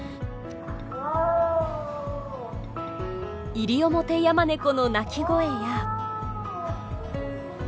イリオモテヤマネコの鳴き声や。